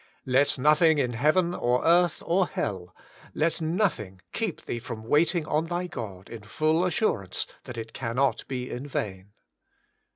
Let nothing in heaven or earth or hell — let nothing keep thee from waiting on thy God in full assurance that it cannot be in vain.